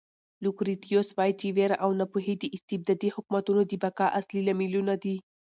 لوکریټیوس وایي چې وېره او ناپوهي د استبدادي حکومتونو د بقا اصلي لاملونه دي.